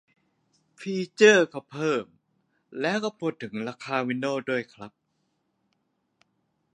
ฟีเจอร์ก็เพิ่ม แล้วก็พูดถึงราคาวินโดวส์ด้วยครับ